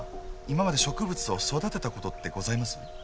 今まで植物を育てたことってございます？